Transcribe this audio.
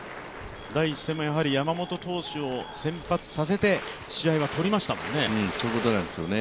第１戦も山本投手を先発させて、試合をとりましたもんね。